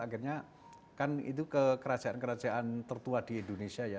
akhirnya kan itu ke kerajaan kerajaan tertua di indonesia ya